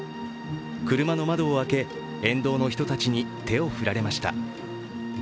車の窓を開け、沿道の人たちに手を振られました。